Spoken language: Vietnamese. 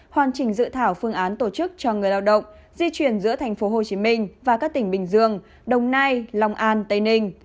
hoàn chỉnh dự thảo phương án tổ chức cho người lao động di chuyển giữa tp hcm và các tỉnh bình dương đồng nai long an tây ninh